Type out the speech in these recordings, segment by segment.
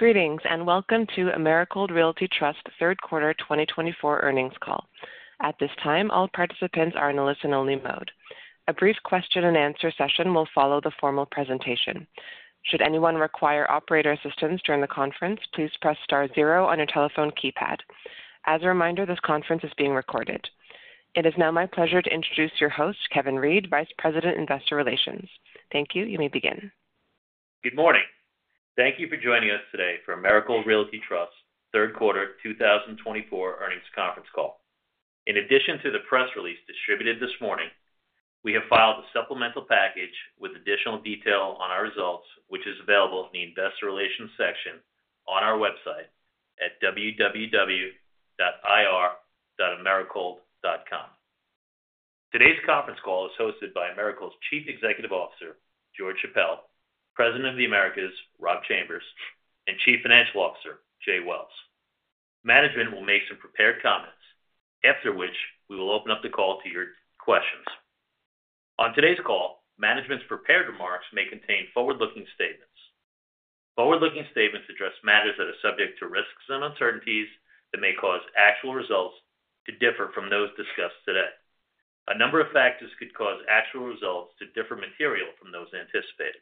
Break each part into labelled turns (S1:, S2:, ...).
S1: Greetings and welcome to Americold Realty Trust third quarter 2024 earnings call. At this time, all participants are in a listen-only mode. A brief question-and-answer session will follow the formal presentation. Should anyone require operator assistance during the conference, please press star zero on your telephone keypad. As a reminder, this conference is being recorded. It is now my pleasure to introduce your host, Kevin Reed, Vice President, Investor Relations. Thank you. You may begin.
S2: Good morning. Thank you for joining us today for Americold Realty Trust third quarter 2024 earnings conference call. In addition to the press release distributed this morning, we have filed a supplemental package with additional detail on our results, which is available in the Investor Relations section on our website at www.ir.americold.com. Today's conference call is hosted by Americold's Chief Executive Officer, George Chappelle, President of the Americas, Rob Chambers, and Chief Financial Officer, Jay Wells. Management will make some prepared comments, after which we will open up the call to your questions. On today's call, management's prepared remarks may contain forward-looking statements. Forward-looking statements address matters that are subject to risks and uncertainties that may cause actual results to differ from those discussed today. A number of factors could cause actual results to differ materially from those anticipated.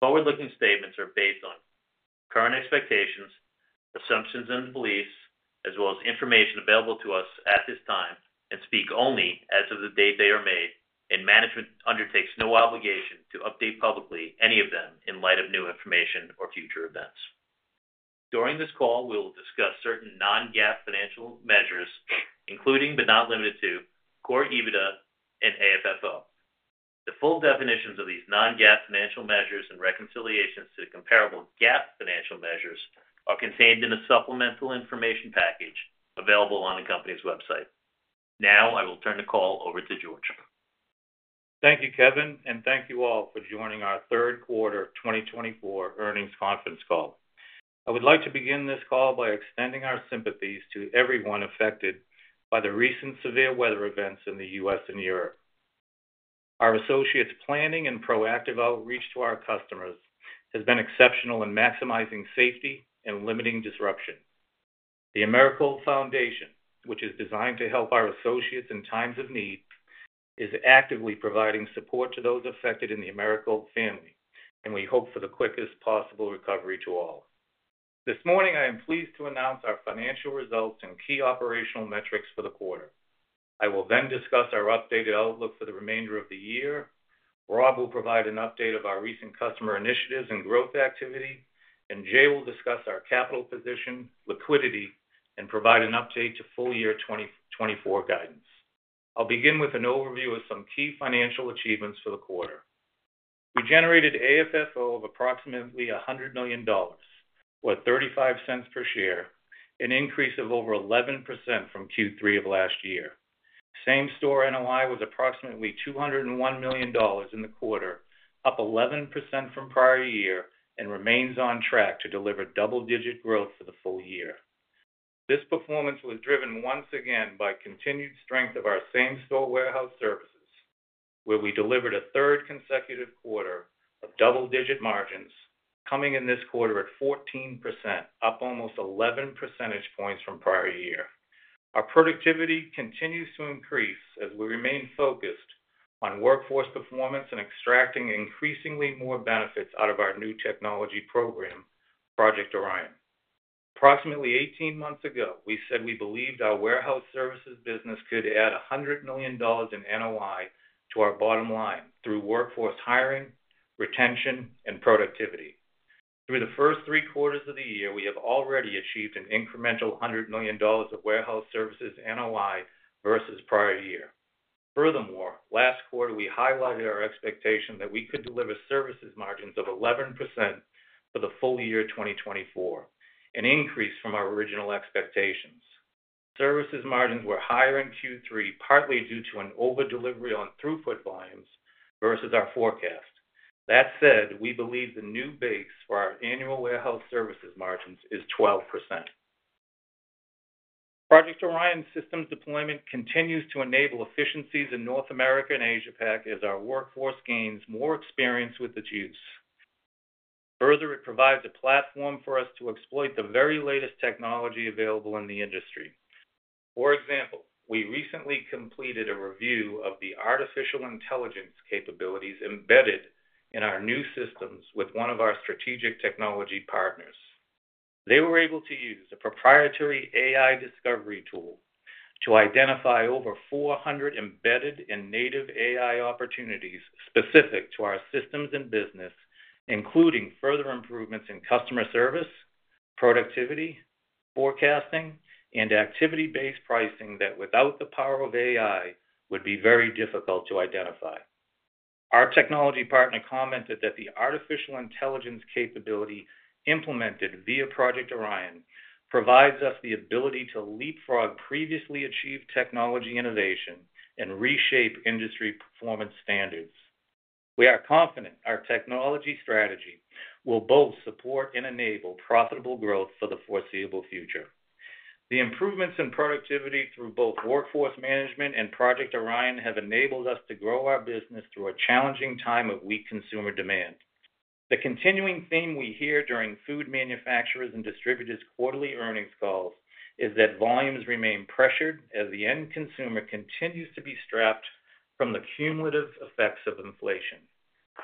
S2: Forward-looking statements are based on current expectations, assumptions, and beliefs, as well as information available to us at this time, and speak only as of the date they are made, and management undertakes no obligation to update publicly any of them in light of new information or future events. During this call, we will discuss certain non-GAAP financial measures, including, but not limited to, core EBITDA and AFFO. The full definitions of these non-GAAP financial measures and reconciliations to comparable GAAP financial measures are contained in the supplemental information package available on the company's website. Now, I will turn the call over to George.
S3: Thank you, Kevin, and thank you all for joining our third quarter 2024 earnings conference call. I would like to begin this call by extending our sympathies to everyone affected by the recent severe weather events in the U.S. and Europe. Our associates' planning and proactive outreach to our customers has been exceptional in maximizing safety and limiting disruption. The Americold Foundation, which is designed to help our associates in times of need, is actively providing support to those affected in the Americold family, and we hope for the quickest possible recovery to all. This morning, I am pleased to announce our financial results and key operational metrics for the quarter. I will then discuss our updated outlook for the remainder of the year. Rob will provide an update of our recent customer initiatives and growth activity, and Jay will discuss our capital position, liquidity, and provide an update to full-year 2024 guidance. I'll begin with an overview of some key financial achievements for the quarter. We generated AFFO of approximately $100 million, or $0.35 per share, an increase of over 11% from Q3 of last year. Same-store NOI was approximately $201 million in the quarter, up 11% from prior year, and remains on track to deliver double-digit growth for the full year. This performance was driven once again by continued strength of our same-store warehouse services, where we delivered a third consecutive quarter of double-digit margins, coming in this quarter at 14%, up almost 11 percentage points from prior year. Our productivity continues to increase as we remain focused on workforce performance and extracting increasingly more benefits out of our new technology program, Project Orion. Approximately 18 months ago, we said we believed our warehouse services business could add $100 million in NOI to our bottom line through workforce hiring, retention, and productivity. Through the first three quarters of the year, we have already achieved an incremental $100 million of warehouse services NOI versus prior year. Furthermore, last quarter, we highlighted our expectation that we could deliver services margins of 11% for the full year 2024, an increase from our original expectations. Services margins were higher in Q3, partly due to an over-delivery on throughput volumes versus our forecast. That said, we believe the new base for our annual warehouse services margins is 12%. Project Orion's systems deployment continues to enable efficiencies in North America and Asia-Pac as our workforce gains more experience with the tools. Further, it provides a platform for us to exploit the very latest technology available in the industry. For example, we recently completed a review of the artificial intelligence capabilities embedded in our new systems with one of our strategic technology partners. They were able to use a proprietary AI discovery tool to identify over 400 embedded and native AI opportunities specific to our systems and business, including further improvements in customer service, productivity, forecasting, and activity-based pricing that, without the power of AI, would be very difficult to identify. Our technology partner commented that the artificial intelligence capability implemented via Project Orion provides us the ability to leapfrog previously achieved technology innovation and reshape industry performance standards. We are confident our technology strategy will both support and enable profitable growth for the foreseeable future. The improvements in productivity through both workforce management and Project Orion have enabled us to grow our business through a challenging time of weak consumer demand. The continuing theme we hear during food manufacturers' and distributors' quarterly earnings calls is that volumes remain pressured as the end consumer continues to be strapped from the cumulative effects of inflation.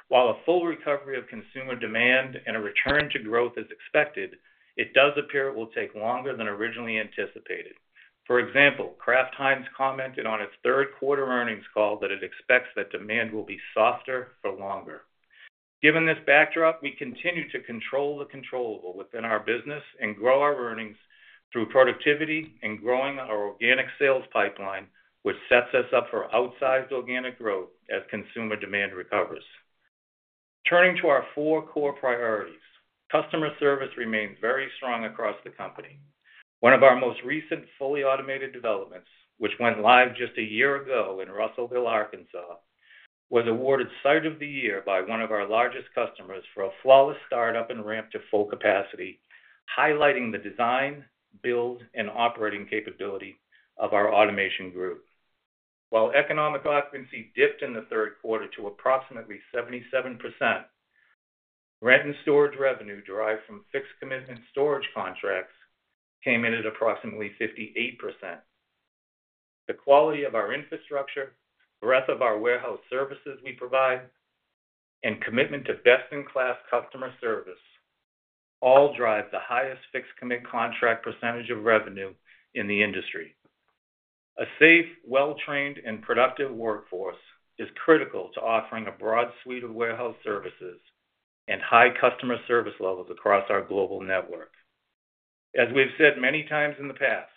S3: While a full recovery of consumer demand and a return to growth is expected, it does appear it will take longer than originally anticipated. For example, Kraft Heinz commented on its third quarter earnings call that it expects that demand will be softer for longer. Given this backdrop, we continue to control the controllable within our business and grow our earnings through productivity and growing our organic sales pipeline, which sets us up for outsized organic growth as consumer demand recovers. Turning to our four core priorities, customer service remains very strong across the company. One of our most recent fully automated developments, which went live just a year ago in Russellville, Arkansas, was awarded Site of the Year by one of our largest customers for a flawless startup and ramp to full capacity, highlighting the design, build, and operating capability of our automation group. While economic occupancy dipped in the third quarter to approximately 77%, rent and storage revenue derived from fixed commitment storage contracts came in at approximately 58%. The quality of our infrastructure, breadth of our warehouse services we provide, and commitment to best-in-class customer service all drive the highest fixed commit contract percentage of revenue in the industry. A safe, well-trained, and productive workforce is critical to offering a broad suite of warehouse services and high customer service levels across our global network. As we've said many times in the past,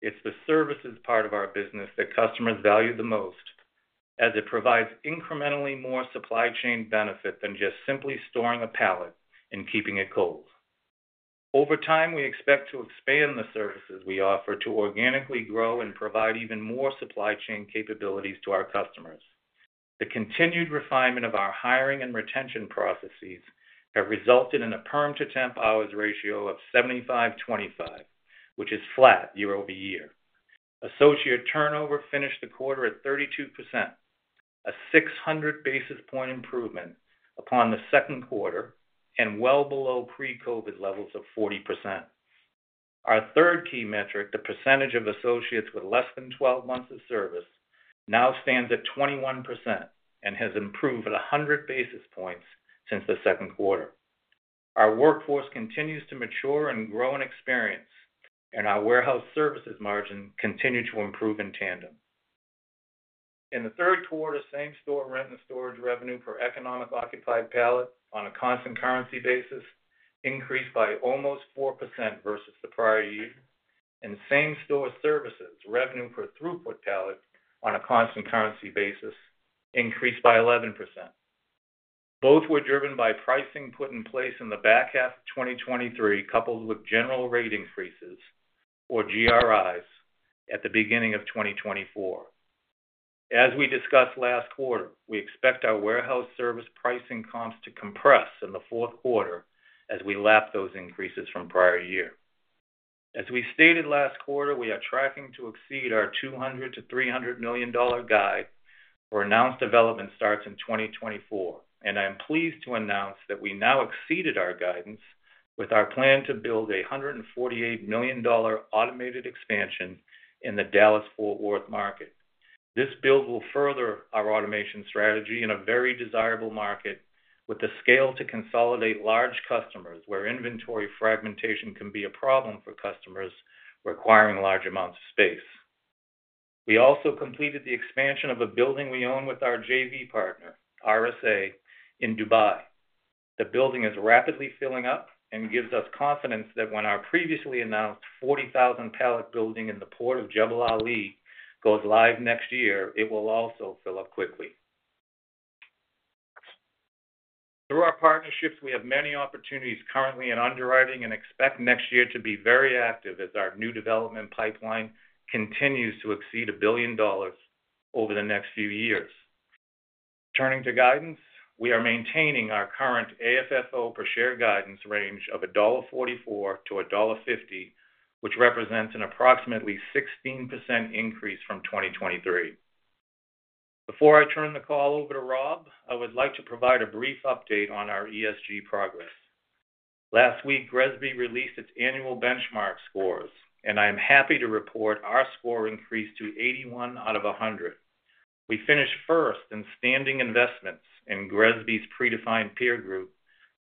S3: it's the services part of our business that customers value the most, as it provides incrementally more supply chain benefit than just simply storing a pallet and keeping it cold. Over time, we expect to expand the services we offer to organically grow and provide even more supply chain capabilities to our customers. The continued refinement of our hiring and retention processes has resulted in a permanent-temp hours ratio of 75-25, which is flat year-over-year. Associate turnover finished the quarter at 32%, a 600 basis points improvement upon the second quarter, and well below pre-COVID levels of 40%. Our third key metric, the percentage of associates with less than 12 months of service, now stands at 21% and has improved 100 basis points since the second quarter. Our workforce continues to mature and grow in experience, and our warehouse services margins continue to improve in tandem. In the third quarter, same-store rent and storage revenue per economically occupied pallet on a constant currency basis increased by almost 4% versus the prior year, and same-store services revenue per throughput pallet on a constant currency basis increased by 11%. Both were driven by pricing put in place in the back half of 2023, coupled with general rate increases, or GRIs, at the beginning of 2024. As we discussed last quarter, we expect our warehouse service pricing comps to compress in the fourth quarter as we lap those increases from prior year. As we stated last quarter, we are tracking to exceed our $200-$300 million guide for announced development starts in 2024, and I am pleased to announce that we now exceeded our guidance with our plan to build a $148 million automated expansion in the Dallas-Fort Worth market. This build will further our automation strategy in a very desirable market with the scale to consolidate large customers where inventory fragmentation can be a problem for customers requiring large amounts of space. We also completed the expansion of a building we own with our JV partner, RSA, in Dubai. The building is rapidly filling up and gives us confidence that when our previously announced 40,000-pallet building in the port of Jebel Ali goes live next year, it will also fill up quickly. Through our partnerships, we have many opportunities currently in underwriting and expect next year to be very active as our new development pipeline continues to exceed $1 billion over the next few years. Turning to guidance, we are maintaining our current AFFO per share guidance range of $1.44-$1.50, which represents an approximately 16% increase from 2023. Before I turn the call over to Rob, I would like to provide a brief update on our ESG progress. Last week, GRESB released its annual benchmark scores, and I am happy to report our score increased to 81 out of 100. We finished first in standings in investments in GRESB's predefined peer group,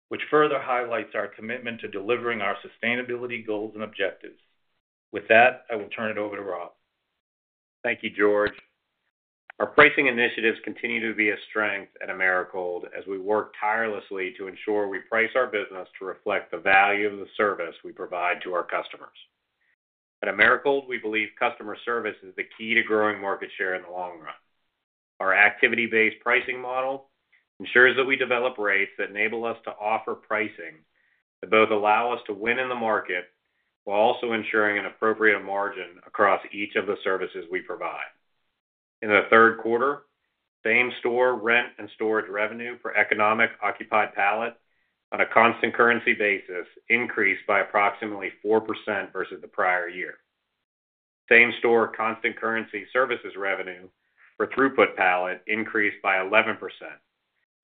S3: which further highlights our commitment to delivering our sustainability goals and objectives. With that, I will turn it over to Rob.
S4: Thank you, George. Our pricing initiatives continue to be a strength at Americold as we work tirelessly to ensure we price our business to reflect the value of the service we provide to our customers. At Americold, we believe customer service is the key to growing market share in the long run. Our activity-based pricing model ensures that we develop rates that enable us to offer pricing that both allow us to win in the market while also ensuring an appropriate margin across each of the services we provide. In the third quarter, same-store rent and storage revenue per economically occupied pallet on a constant currency basis increased by approximately 4% versus the prior year. Same-store constant currency services revenue per throughput pallet increased by 11%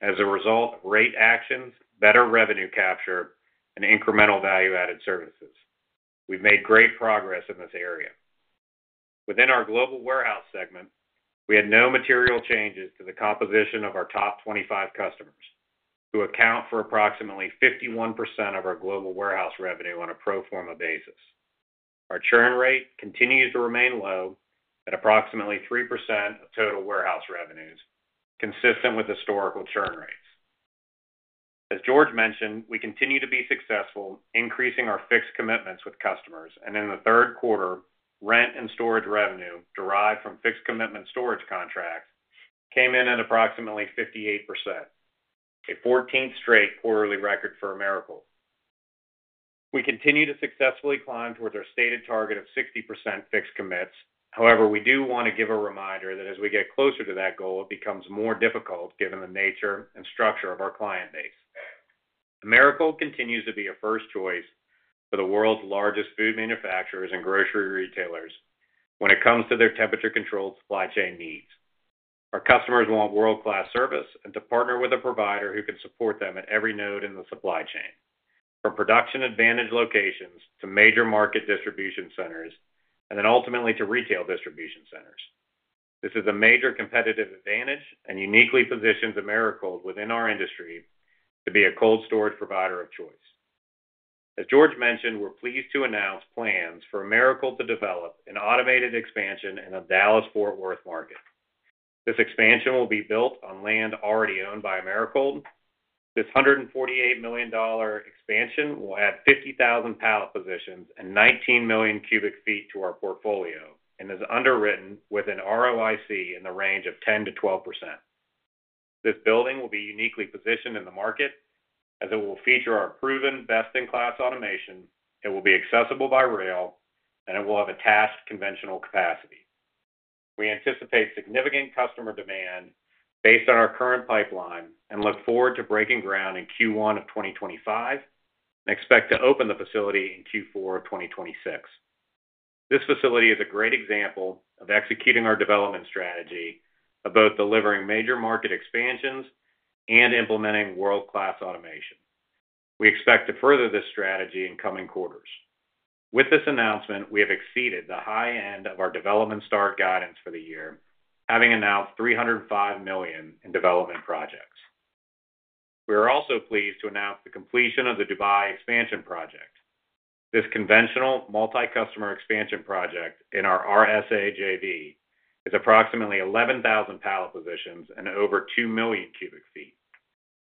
S4: as a result of rate actions, better revenue capture, and incremental value-added services. We've made great progress in this area. Within our global warehouse segment, we had no material changes to the composition of our top 25 customers, who account for approximately 51% of our global warehouse revenue on a pro forma basis. Our churn rate continues to remain low at approximately 3% of total warehouse revenues, consistent with historical churn rates. As George mentioned, we continue to be successful increasing our fixed commitments with customers, and in the third quarter, rent and storage revenue derived from fixed commitment storage contracts came in at approximately 58%, a 14th straight quarterly record for Americold. We continue to successfully climb towards our stated target of 60% fixed commits. However, we do want to give a reminder that as we get closer to that goal, it becomes more difficult given the nature and structure of our client base. Americold continues to be a first choice for the world's largest food manufacturers and grocery retailers when it comes to their temperature-controlled supply chain needs. Our customers want world-class service and to partner with a provider who can support them at every node in the supply chain, from production-advantaged locations to major market distribution centers, and then ultimately to retail distribution centers. This is a major competitive advantage and uniquely positions Americold within our industry to be a cold storage provider of choice. As George mentioned, we're pleased to announce plans for Americold to develop an automated expansion in the Dallas-Fort Worth market. This expansion will be built on land already owned by Americold. This $148 million expansion will add 50,000 pallet positions and 19 million cubic feet to our portfolio and is underwritten with an ROIC in the range of 10%-12%. This building will be uniquely positioned in the market as it will feature our proven best-in-class automation, it will be accessible by rail, and it will have attached conventional capacity. We anticipate significant customer demand based on our current pipeline and look forward to breaking ground in Q1 of 2025 and expect to open the facility in Q4 of 2026. This facility is a great example of executing our development strategy of both delivering major market expansions and implementing world-class automation. We expect to further this strategy in coming quarters. With this announcement, we have exceeded the high end of our development start guidance for the year, having announced $305 million in development projects. We are also pleased to announce the completion of the Dubai expansion project. This conventional multi-customer expansion project in our RSA JV is approximately 11,000 pallet positions and over 2 million cubic feet.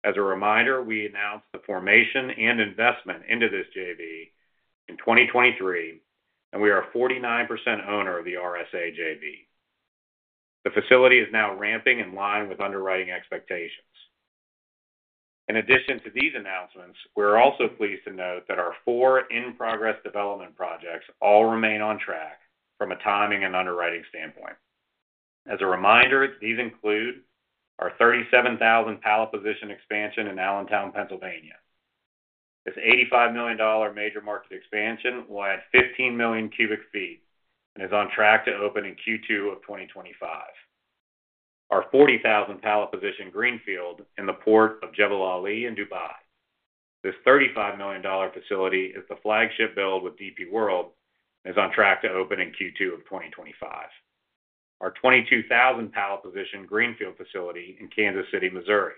S4: As a reminder, we announced the formation and investment into this JV in 2023, and we are 49% owner of the RSA JV. The facility is now ramping in line with underwriting expectations. In addition to these announcements, we are also pleased to note that our four in-progress development projects all remain on track from a timing and underwriting standpoint. As a reminder, these include our 37,000 pallet position expansion in Allentown, Pennsylvania. This $85 million major market expansion will add 15 million cubic feet and is on track to open in Q2 of 2025. Our 40,000 pallet position greenfield in the port of Jebel Ali in Dubai. This $35 million facility is the flagship build with DP World and is on track to open in Q2 of 2025. Our 22,000 pallet position greenfield facility in Kansas City, Missouri.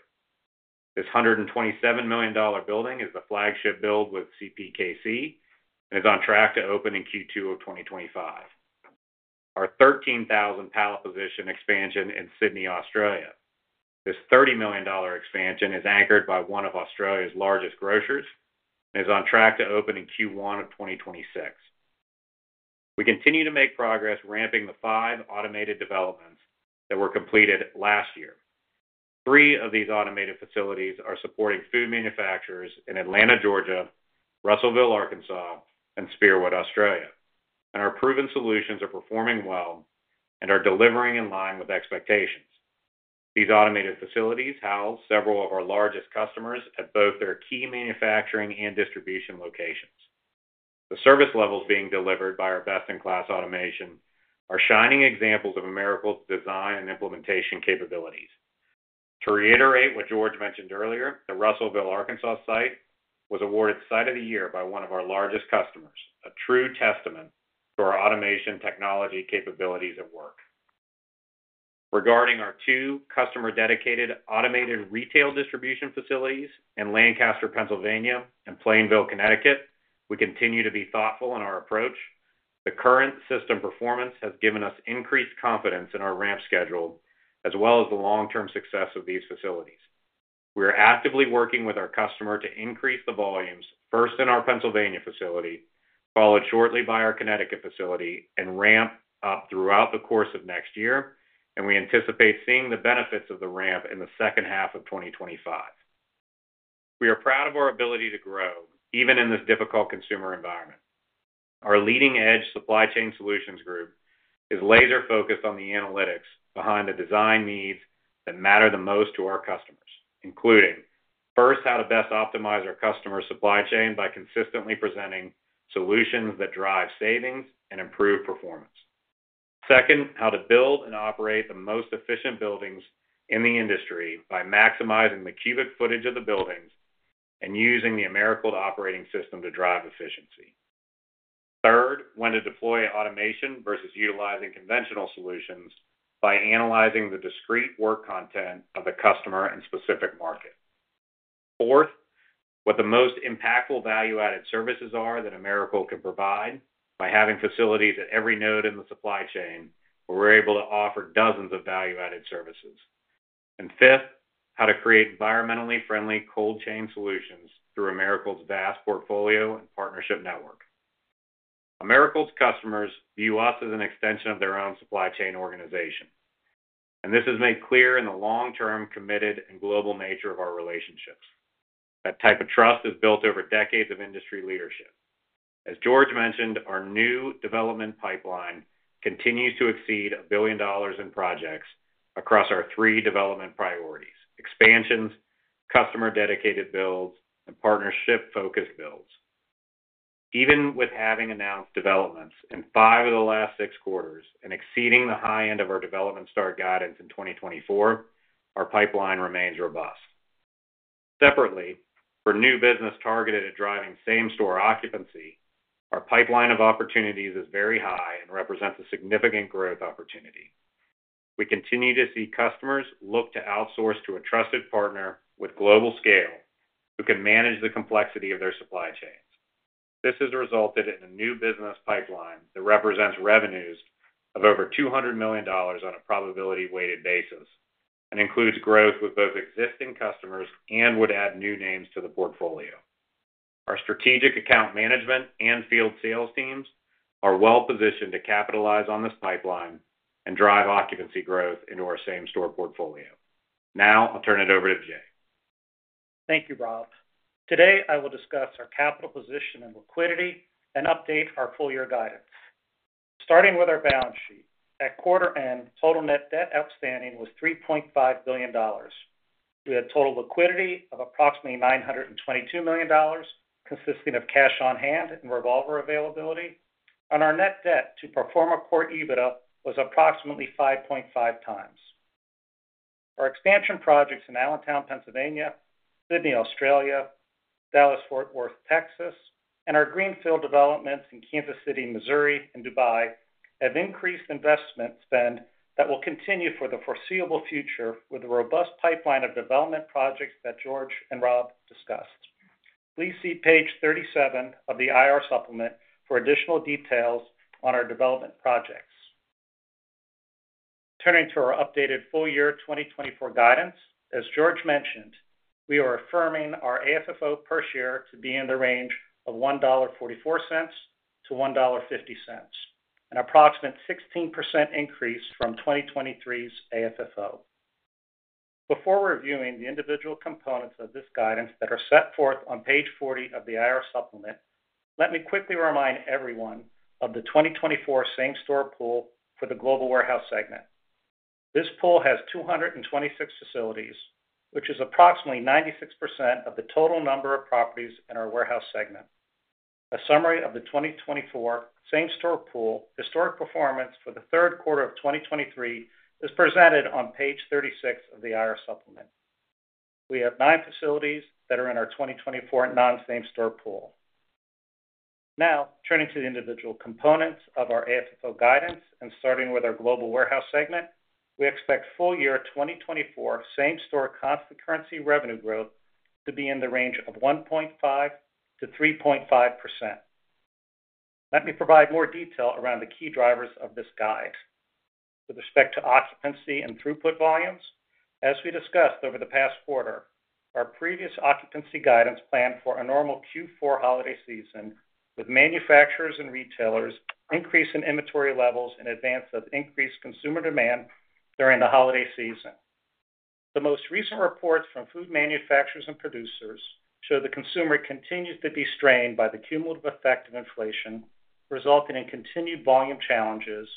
S4: This $127 million building is the flagship build with CPKC and is on track to open in Q2 of 2025. Our 13,000 pallet position expansion in Sydney, Australia. This $30 million expansion is anchored by one of Australia's largest grocers and is on track to open in Q1 of 2026. We continue to make progress ramping the five automated developments that were completed last year. Three of these automated facilities are supporting food manufacturers in Atlanta, Georgia, Russellville, Arkansas, and Spearwood, Australia, and our proven solutions are performing well and are delivering in line with expectations. These automated facilities house several of our largest customers at both their key manufacturing and distribution locations. The service levels being delivered by our best-in-class automation are shining examples of Americold's design and implementation capabilities. To reiterate what George mentioned earlier, the Russellville, Arkansas site was awarded Site of the Year by one of our largest customers, a true testament to our automation technology capabilities at work. Regarding our two customer-dedicated automated retail distribution facilities in Lancaster, Pennsylvania, and Plainville, Connecticut, we continue to be thoughtful in our approach. The current system performance has given us increased confidence in our ramp schedule, as well as the long-term success of these facilities. We are actively working with our customer to increase the volumes, first in our Pennsylvania facility, followed shortly by our Connecticut facility, and ramp up throughout the course of next year, and we anticipate seeing the benefits of the ramp in the second half of 2025. We are proud of our ability to grow even in this difficult consumer environment. Our leading-edge supply chain solutions group is laser-focused on the analytics behind the design needs that matter the most to our customers, including first how to best optimize our customer supply chain by consistently presenting solutions that drive savings and improve performance. Second, how to build and operate the most efficient buildings in the industry by maximizing the cubic footage of the buildings and using the Americold Operating System to drive efficiency. Third, when to deploy automation versus utilizing conventional solutions by analyzing the discrete work content of the customer and specific market. Fourth, what the most impactful value-added services are that Americold can provide by having facilities at every node in the supply chain where we're able to offer dozens of value-added services. And fifth, how to create environmentally friendly cold chain solutions through Americold's vast portfolio and partnership network. Americold's customers view us as an extension of their own supply chain organization, and this is made clear in the long-term committed and global nature of our relationships. That type of trust is built over decades of industry leadership. As George mentioned, our new development pipeline continues to exceed $1 billion in projects across our three development priorities: expansions, customer-dedicated builds, and partnership-focused builds. Even with having announced developments in five of the last six quarters and exceeding the high end of our development start guidance in 2024, our pipeline remains robust. Separately, for new business targeted at driving same-store occupancy, our pipeline of opportunities is very high and represents a significant growth opportunity. We continue to see customers look to outsource to a trusted partner with global scale who can manage the complexity of their supply chains. This has resulted in a new business pipeline that represents revenues of over $200 million on a probability-weighted basis and includes growth with both existing customers and would add new names to the portfolio. Our strategic account management and field sales teams are well-positioned to capitalize on this pipeline and drive occupancy growth into our same-store portfolio. Now, I'll turn it over to Jay.
S5: Thank you, Rob. Today, I will discuss our capital position and liquidity and update our full-year guidance. Starting with our balance sheet, at quarter-end, total net debt outstanding was $3.5 billion. We had total liquidity of approximately $922 million, consisting of cash on hand and revolver availability, and our net debt to pro forma quarterly EBITDA was approximately 5.5x. Our expansion projects in Allentown, Pennsylvania, Sydney, Australia, Dallas-Fort Worth, Texas, and our greenfield developments in Kansas City, Missouri, and Dubai have increased investment spend that will continue for the foreseeable future with the robust pipeline of development projects that George and Rob discussed. Please see page 37 of the IR supplement for additional details on our development projects. Turning to our updated full-year 2024 guidance, as George mentioned, we are affirming our AFFO per share to be in the range of $1.44-$1.50, an approximate 16% increase from 2023's AFFO. Before reviewing the individual components of this guidance that are set forth on page 40 of the IR supplement, let me quickly remind everyone of the 2024 same-store pool for the global warehouse segment. This pool has 226 facilities, which is approximately 96% of the total number of properties in our warehouse segment. A summary of the 2024 same-store pool historic performance for the third quarter of 2023 is presented on page 36 of the IR supplement. We have nine facilities that are in our 2024 non-same-store pool. Now, turning to the individual components of our AFFO guidance and starting with our global warehouse segment, we expect full-year 2024 same-store constant currency revenue growth to be in the range of 1.5%-3.5%. Let me provide more detail around the key drivers of this guide. With respect to occupancy and throughput volumes, as we discussed over the past quarter, our previous occupancy guidance planned for a normal Q4 holiday season with manufacturers and retailers increasing inventory levels in advance of increased consumer demand during the holiday season. The most recent reports from food manufacturers and producers show the consumer continues to be strained by the cumulative effect of inflation, resulting in continued volume challenges,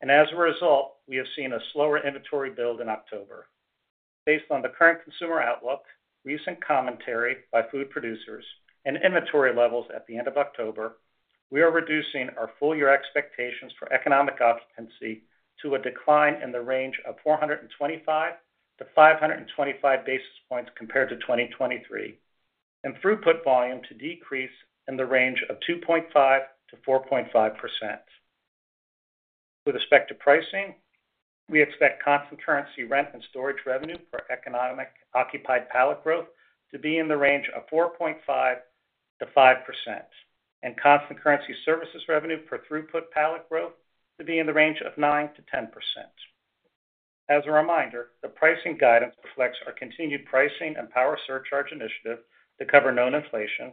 S5: and as a result, we have seen a slower inventory build in October. Based on the current consumer outlook, recent commentary by food producers, and inventory levels at the end of October, we are reducing our full-year expectations for economic occupancy to a decline in the range of 425 to 525 basis points compared to 2023, and throughput volume to decrease in the range of 2.5%-4.5%. With respect to pricing, we expect constant currency rent and storage revenue per economic occupied pallet growth to be in the range of 4.5%-5%, and constant currency services revenue per throughput pallet growth to be in the range of 9%-10%. As a reminder, the pricing guidance reflects our continued pricing and power surcharge initiative to cover known inflation.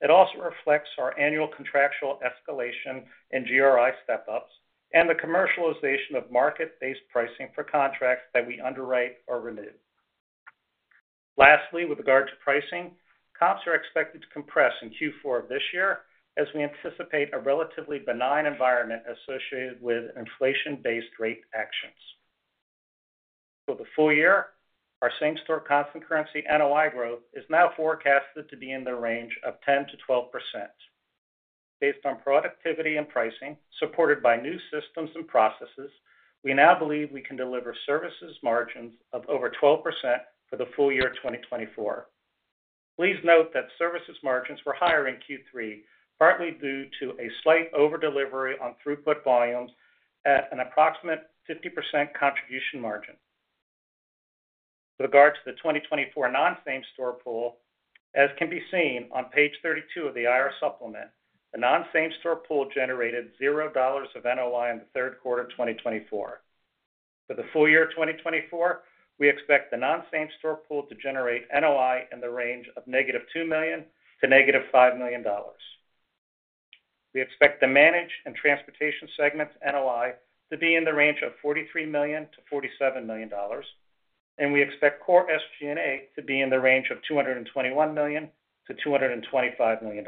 S5: It also reflects our annual contractual escalation in GRI step-ups and the commercialization of market-based pricing for contracts that we underwrite or renew. Lastly, with regard to pricing, comps are expected to compress in Q4 of this year as we anticipate a relatively benign environment associated with inflation-based rate actions. For the full year, our same-store constant currency NOI growth is now forecasted to be in the range of 10%-12%. Based on productivity and pricing supported by new systems and processes, we now believe we can deliver services margins of over 12% for the full year 2024. Please note that services margins were higher in Q3, partly due to a slight overdelivery on throughput volumes at an approximate 50% contribution margin. With regard to the 2024 non-same-store pool, as can be seen on page 32 of the IR supplement, the non-same-store pool generated $0 of NOI in the third quarter of 2024. For the full year 2024, we expect the non-same-store pool to generate NOI in the range of - $2 million to - $5 million. We expect the managed and transportation segment NOI to be in the range of $43 million-$47 million, and we expect core SG&A to be in the range of $221 million-$225 million.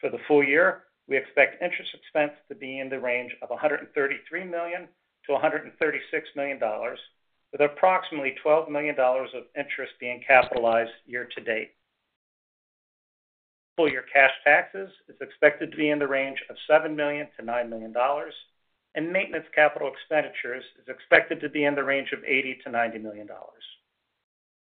S5: For the full year, we expect interest expense to be in the range of $133 million-$136 million, with approximately $12 million of interest being capitalized year to date. Full-year cash taxes are expected to be in the range of $7 million-$9 million, and maintenance capital expenditures are expected to be in the range of $80 million-$90 million.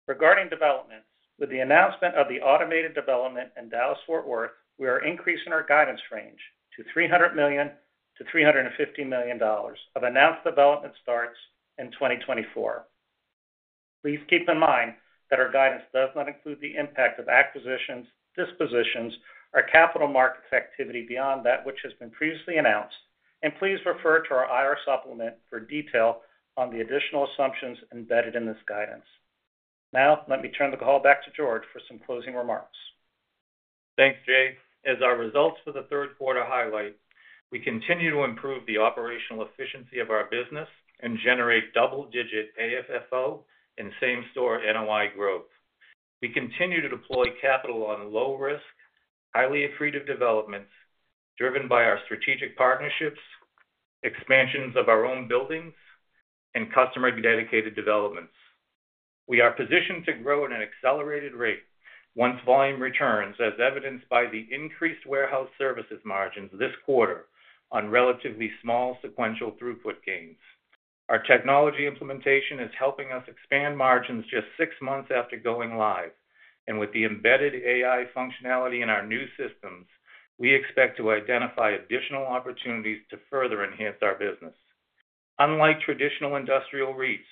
S5: Regarding developments, with the announcement of the automated development in Dallas-Fort Worth, we are increasing our guidance range to $300 million-$350 million of announced development starts in 2024. Please keep in mind that our guidance does not include the impact of acquisitions, dispositions, or capital markets activity beyond that which has been previously announced, and please refer to our IR supplement for detail on the additional assumptions embedded in this guidance. Now, let me turn the call back to George for some closing remarks.
S3: Thanks, Jay. As our results for the third quarter highlight, we continue to improve the operational efficiency of our business and generate double-digit AFFO and same-store NOI growth. We continue to deploy capital on low-risk, highly accretive developments driven by our strategic partnerships, expansions of our own buildings, and customer-dedicated developments. We are positioned to grow at an accelerated rate once volume returns, as evidenced by the increased warehouse services margins this quarter on relatively small sequential throughput gains. Our technology implementation is helping us expand margins just six months after going live, and with the embedded AI functionality in our new systems, we expect to identify additional opportunities to further enhance our business. Unlike traditional industrial REITs,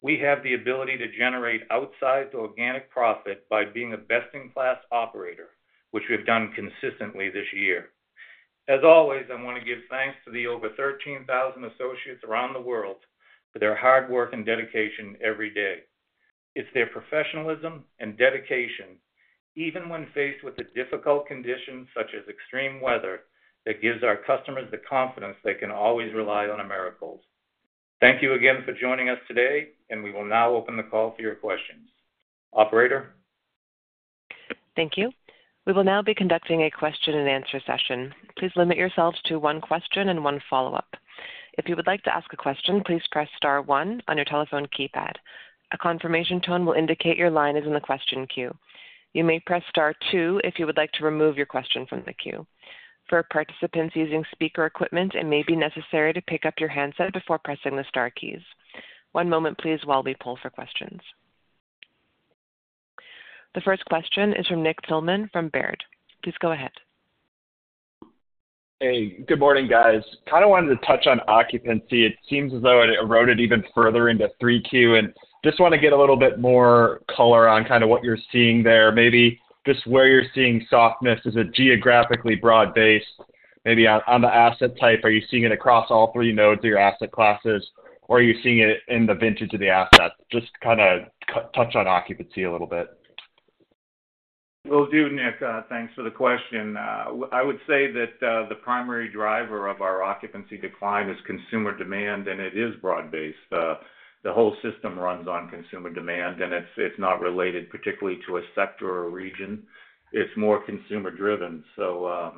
S3: we have the ability to generate outside the organic profit by being a best-in-class operator, which we have done consistently this year. As always, I want to give thanks to the over 13,000 associates around the world for their hard work and dedication every day. It's their professionalism and dedication, even when faced with the difficult conditions such as extreme weather, that gives our customers the confidence they can always rely on Americold. Thank you again for joining us today, and we will now open the call for your questions. Operator.
S1: Thank you. We will now be conducting a question-and-answer session. Please limit yourselves to one question and one follow-up. If you would like to ask a question, please press star one on your telephone keypad. A confirmation tone will indicate your line is in the question queue. You may press star two if you would like to remove your question from the queue. For participants using speaker equipment, it may be necessary to pick up your handset before pressing the star keys. One moment, please, while we pull for questions. The first question is from Nick Thillman from Baird. Please go ahead.
S6: Hey, good morning, guys. Kind of wanted to touch on occupancy. It seems as though it eroded even further into 3Q, and just want to get a little bit more color on kind of what you're seeing there. Maybe just where you're seeing softness is a geographically broad base. Maybe on the asset type, are you seeing it across all three nodes of your asset classes, or are you seeing it in the vintage of the asset? Just kind of touch on occupancy a little bit.
S3: Will do, Nick. Thanks for the question. I would say that the primary driver of our occupancy decline is consumer demand, and it is broad-based. The whole system runs on consumer demand, and it's not related particularly to a sector or region. It's more consumer-driven. So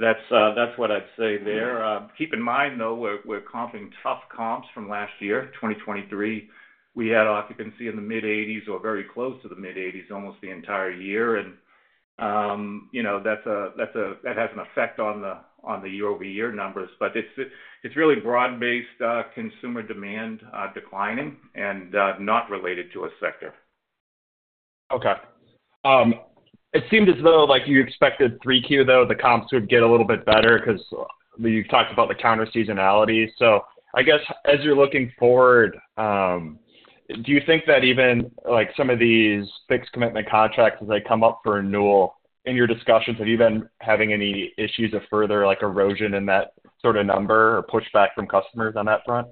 S3: that's what I'd say there. Keep in mind, though, we're comping tough comps from last year, 2023. We had occupancy in the mid-80s or very close to the mid-80s almost the entire year, and that has an effect on the year-over-year numbers, but it's really broad-based consumer demand declining and not related to a sector.
S6: Okay. It seemed as though you expected 3Q, though, the comps would get a little bit better because you've talked about the counter-seasonality. So I guess, as you're looking forward, do you think that even some of these fixed commitment contracts, as they come up for renewal, in your discussions, have you been having any issues of further erosion in that sort of number or pushback from customers on that front?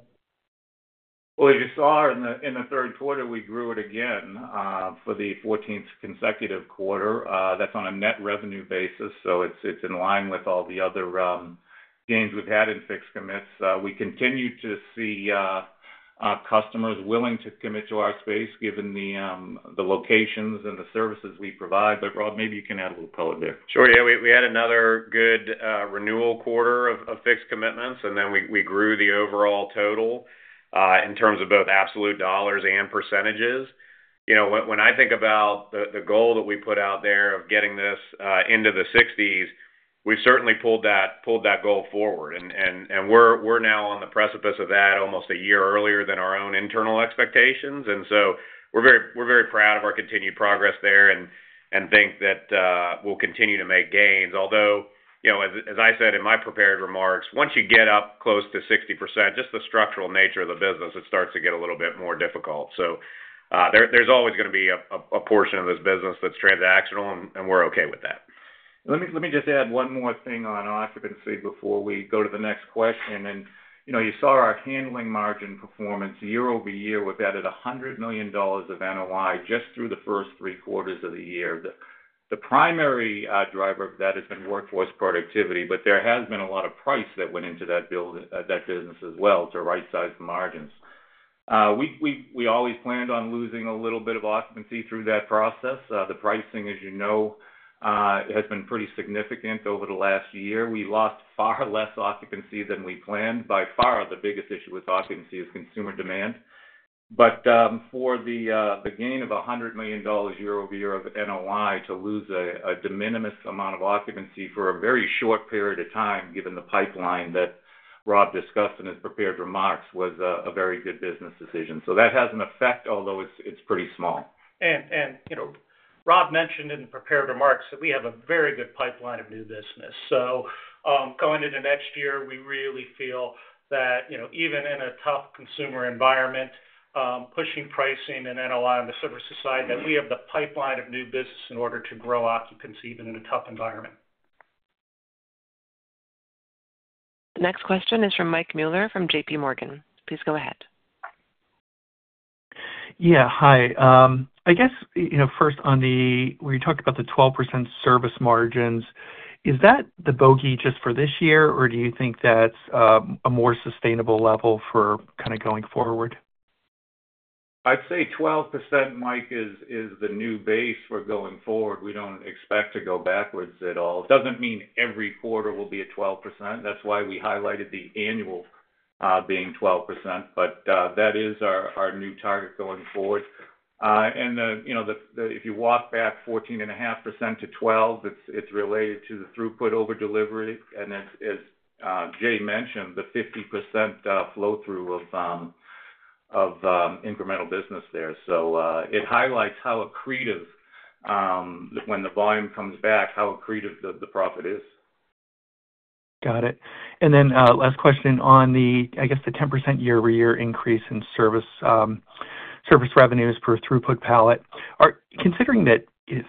S3: As you saw in the third quarter, we grew it again for the 14th consecutive quarter. That's on a net revenue basis, so it's in line with all the other gains we've had in fixed commits. We continue to see customers willing to commit to our space given the locations and the services we provide, but Rob, maybe you can add a little color there.
S4: Sure. Yeah, we had another good renewal quarter of fixed commitments, and then we grew the overall total in terms of both absolute dollars and percentages. When I think about the goal that we put out there of getting this into the 60s, we've certainly pulled that goal forward, and we're now on the precipice of that almost a year earlier than our own internal expectations. And so we're very proud of our continued progress there and think that we'll continue to make gains. Although, as I said in my prepared remarks, once you get up close to 60%, just the structural nature of the business, it starts to get a little bit more difficult. So there's always going to be a portion of this business that's transactional, and we're okay with that.
S3: Let me just add one more thing on occupancy before we go to the next question. And you saw our handling margin performance year-over-year. We've added $100 million of NOI just through the first three quarters of the year. The primary driver of that has been workforce productivity, but there has been a lot of price that went into that business as well to right-size the margins. We always planned on losing a little bit of occupancy through that process. The pricing, as you know, has been pretty significant over the last year. We lost far less occupancy than we planned. By far, the biggest issue with occupancy is consumer demand. But for the gain of $100 million year-over-year of NOI to lose a de minimis amount of occupancy for a very short period of time, given the pipeline that Rob discussed in his prepared remarks, was a very good business decision. So that has an effect, although it's pretty small.
S5: And Rob mentioned in the prepared remarks that we have a very good pipeline of new business. So going into next year, we really feel that even in a tough consumer environment, pushing pricing and NOI on the surface aside, that we have the pipeline of new business in order to grow occupancy even in a tough environment.
S1: The next question is from Mike Mueller from JPMorgan. Please go ahead.
S7: Yeah, hi. I guess first, when you talked about the 12% service margins, is that the bogey just for this year, or do you think that's a more sustainable level for kind of going forward?
S3: I'd say 12%, Mike, is the new base for going forward. We don't expect to go backwards at all. It doesn't mean every quarter will be at 12%. That's why we highlighted the annual being 12%, but that is our new target going forward. And if you walk back 14.5% to 12%, it's related to the throughput over delivery, and as Jay mentioned, the 50% flow-through of incremental business there. So it highlights how accretive, when the volume comes back, how accretive the profit is.
S7: Got it. And then last question on, I guess, the 10% year-over-year increase in service revenues per throughput pallet. Considering that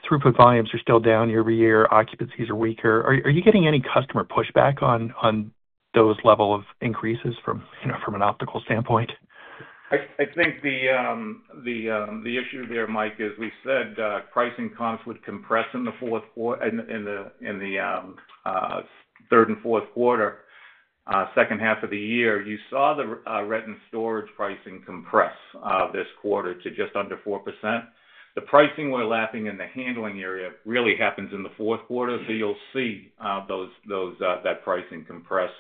S7: throughput volumes are still down year-over-year, occupancies are weaker, are you getting any customer pushback on those levels of increases from an optics standpoint?
S3: I think the issue there, Mike, as we said, pricing comps would compress in the third and fourth quarter, second half of the year. You saw the rent and storage pricing compress this quarter to just under 4%. The pricing we're lapping in the handling area really happens in the fourth quarter, so you'll see that pricing compress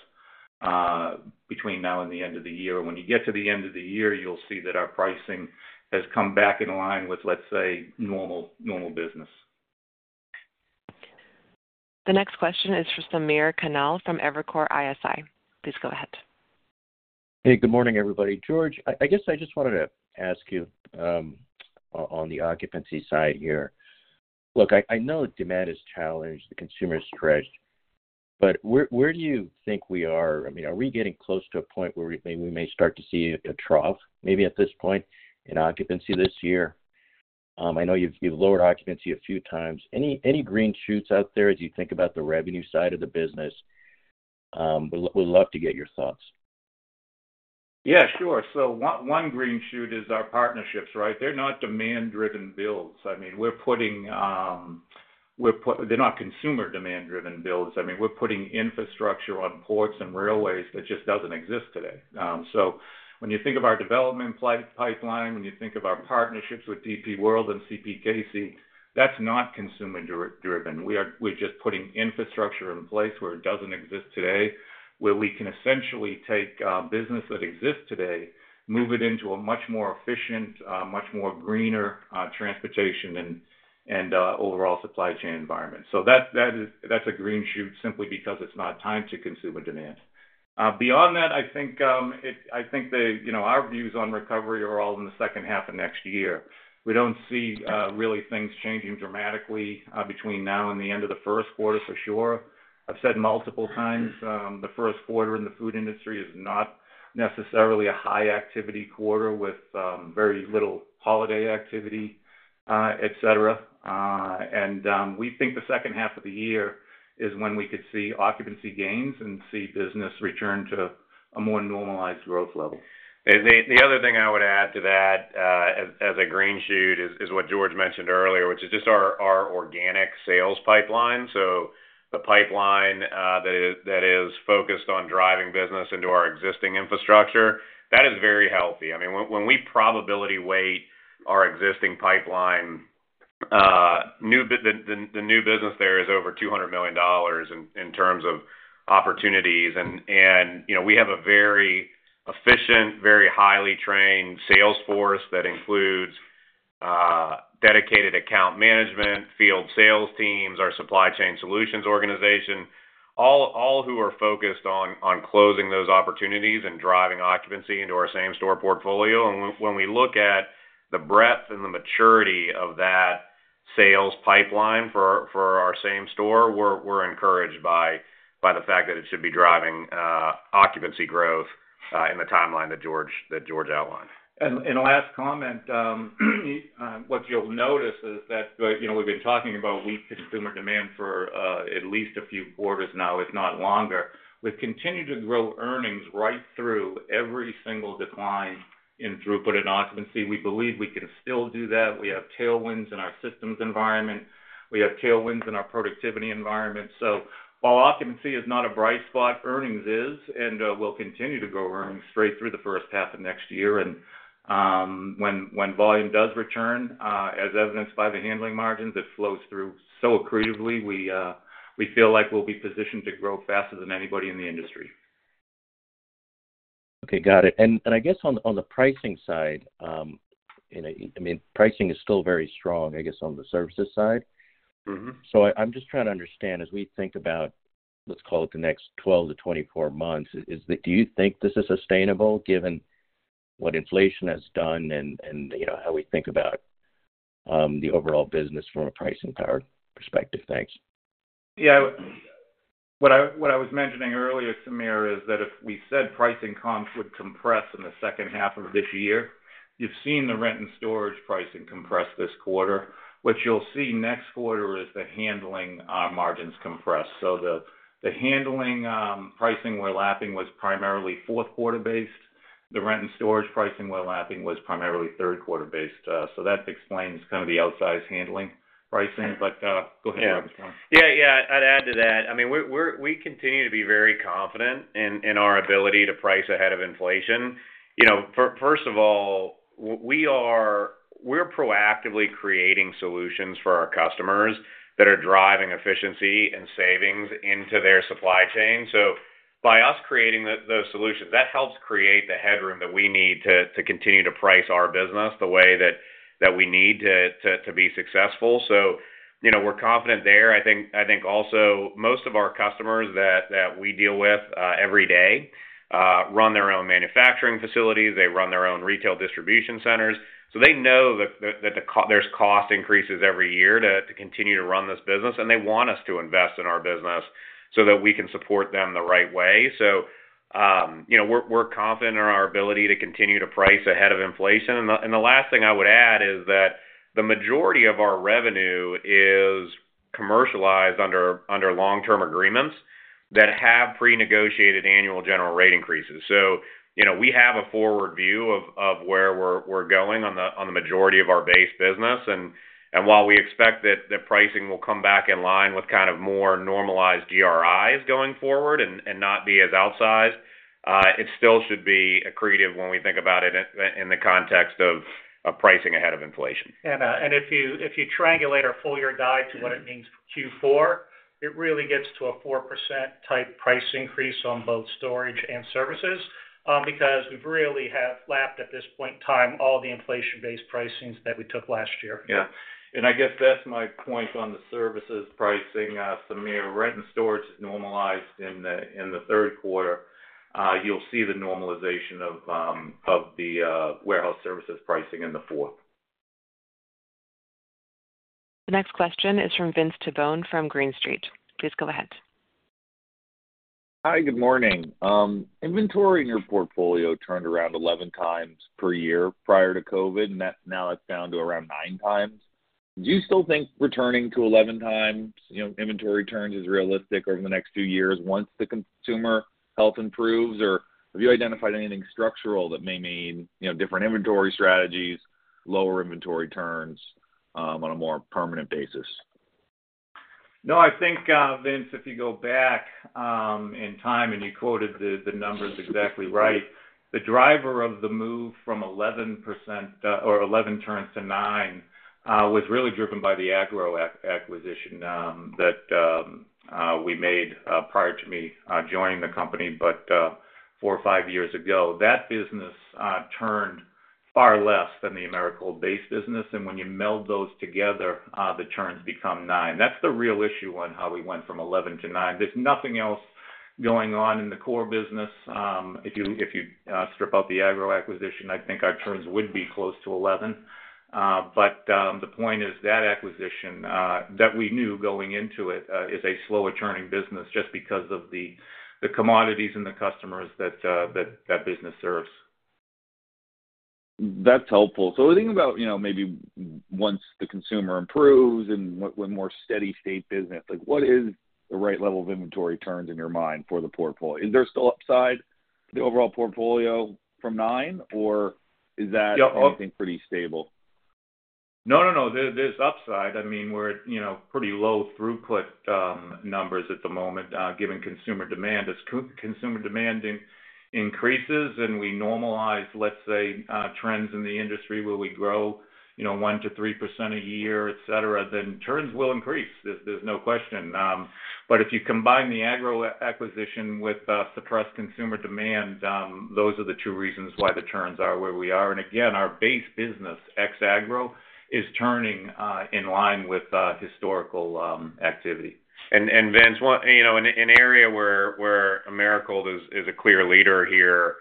S3: between now and the end of the year. When you get to the end of the year, you'll see that our pricing has come back in line with, let's say, normal business.
S1: The next question is for Samir Khanal from Evercore ISI. Please go ahead.
S8: Hey, good morning, everybody. George, I guess I just wanted to ask you on the occupancy side here. Look, I know demand is challenged, the consumer is stretched, but where do you think we are? I mean, are we getting close to a point where we may start to see a trough, maybe at this point, in occupancy this year? I know you've lowered occupancy a few times. Any green shoots out there as you think about the revenue side of the business? We'd love to get your thoughts.
S3: Yeah, sure. So one green shoot is our partnerships, right? They're not demand-driven builds. I mean, they're not consumer demand-driven builds. I mean, we're putting infrastructure on ports and railways that just doesn't exist today. So when you think of our development pipeline, when you think of our partnerships with DP World and CPKC, that's not consumer-driven. We're just putting infrastructure in place where it doesn't exist today, where we can essentially take business that exists today, move it into a much more efficient, much more greener transportation and overall supply chain environment. So that's a green shoot simply because it's not tied to consumer demand. Beyond that, I think our views on recovery are all in the second half of next year. We don't see really things changing dramatically between now and the end of the first quarter, for sure. I've said multiple times the first quarter in the food industry is not necessarily a high-activity quarter with very little holiday activity, etc., and we think the second half of the year is when we could see occupancy gains and see business return to a more normalized growth level.
S4: The other thing I would add to that as a green shoot is what George mentioned earlier, which is just our organic sales pipeline. So the pipeline that is focused on driving business into our existing infrastructure, that is very healthy. I mean, when we probability weight our existing pipeline, the new business there is over $200 million in terms of opportunities. And we have a very efficient, very highly trained sales force that includes dedicated account management, field sales teams, our supply chain solutions organization, all who are focused on closing those opportunities and driving occupancy into our same-store portfolio. And when we look at the breadth and the maturity of that sales pipeline for our same store, we're encouraged by the fact that it should be driving occupancy growth in the timeline that George outlined.
S3: And last comment, what you'll notice is that we've been talking about weak consumer demand for at least a few quarters now, if not longer. We've continued to grow earnings right through every single decline in throughput and occupancy. We believe we can still do that. We have tailwinds in our systems environment. We have tailwinds in our productivity environment. So while occupancy is not a bright spot, earnings is, and we'll continue to grow earnings straight through the first half of next year. And when volume does return, as evidenced by the handling margins, it flows through so accretively, we feel like we'll be positioned to grow faster than anybody in the industry.
S8: Okay, got it. And I guess on the pricing side, I mean, pricing is still very strong, I guess, on the services side. So I'm just trying to understand, as we think about, let's call it the next 12 to 24 months, do you think this is sustainable given what inflation has done and how we think about the overall business from a pricing perspective? Thanks.
S3: Yeah. What I was mentioning earlier, Samir, is that if we said pricing comps would compress in the second half of this year, you've seen the rent and storage pricing compress this quarter. What you'll see next quarter is the handling margins compress. So the handling pricing we're lapping was primarily fourth-quarter based. The rent and storage pricing we're lapping was primarily third-quarter based. So that explains kind of the outsized handling pricing. But go ahead, Rob.
S4: Yeah. Yeah. I'd add to that. I mean, we continue to be very confident in our ability to price ahead of inflation. First of all, we're proactively creating solutions for our customers that are driving efficiency and savings into their supply chain. So by us creating those solutions, that helps create the headroom that we need to continue to price our business the way that we need to be successful. So we're confident there. I think also most of our customers that we deal with every day run their own manufacturing facilities. They run their own retail distribution centers. So they know that there's cost increases every year to continue to run this business, and they want us to invest in our business so that we can support them the right way. So we're confident in our ability to continue to price ahead of inflation. And the last thing I would add is that the majority of our revenue is commercialized under long-term agreements that have pre-negotiated annual general rate increases. So we have a forward view of where we're going on the majority of our base business. And while we expect that pricing will come back in line with kind of more normalized GRIs going forward and not be as outsized, it still should be accretive when we think about it in the context of pricing ahead of inflation.
S3: And if you triangulate our full year guide to what it means for Q4, it really gets to a 4%-type price increase on both storage and services because we really have lapped at this point in time all the inflation-based pricings that we took last year.
S4: Yeah, and I guess that's my point on the services pricing, Samir. Rent and storage is normalized in the third quarter. You'll see the normalization of the warehouse services pricing in the fourth.
S1: The next question is from Vince Tibone from Green Street. Please go ahead.
S9: Hi, good morning. Inventory in your portfolio turned around 11x per year prior to COVID, and now it's down to around 9x. Do you still think returning to 11x inventory turns is realistic over the next few years once the consumer health improves, or have you identified anything structural that may mean different inventory strategies, lower inventory turns on a more permanent basis?
S3: No, I think, Vince, if you go back in time and you quoted the numbers exactly right, the driver of the move from 11% or 11 turns to nine turns was really driven by the Agro acquisition that we made prior to me joining the company four or five years ago. That business turned far less than the Americold base business, and when you meld those together, the turns become nine. That's the real issue on how we went from 11 to nine. There's nothing else going on in the core business. If you strip out the Agro acquisition, I think our turns would be close to 11. But the point is that acquisition that we knew going into it is a slow-turning business just because of the commodities and the customers that that business serves.
S9: That's helpful. So thinking about maybe once the consumer improves and more steady-state business, what is the right level of inventory turns in your mind for the portfolio? Is there still upside for the overall portfolio from nine, or is that anything pretty stable?
S3: No, no, no. There's upside. I mean, we're at pretty low throughput numbers at the moment given consumer demand. As consumer demand increases and we normalize, let's say, trends in the industry where we grow 1% to 3% a year, etc., then turns will increase. There's no question. But if you combine the Agro acquisition with suppressed consumer demand, those are the two reasons why the turns are where we are. And again, our base business, ex-Agro, is turning in line with historical activity.
S4: Vince, an area where Americold is a clear leader here